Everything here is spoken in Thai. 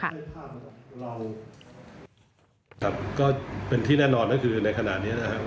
ครับก็เป็นที่แน่นอนนะครับคือในขณะนี้นะคะ